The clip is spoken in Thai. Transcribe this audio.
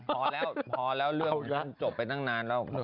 พอแล้วพอแล้วเรื่องจบไปตั้งนานแล้ว